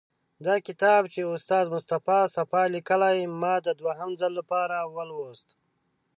دا کتاب چې استاد مصطفی صفا لیکلی، ما د دوهم ځل لپاره ولوست.